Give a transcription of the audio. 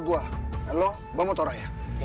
kita aklis dulutrannya